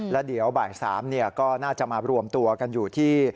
แล้วเดี๋ยวบ่าย๓ก็น่าจะมารวมตัวกันอยู่ที่